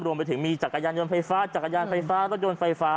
รวมไปถึงมีจักรยานยนต์ไฟฟ้ารถยนต์ไฟฟ้า